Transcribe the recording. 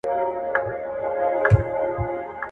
نوي تولیدي میتودونه د زړو طریقو په پرتله ډیر اغیزناک دي.